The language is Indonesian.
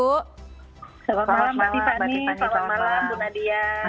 selamat malam mbak tiffany selamat malam bu nadia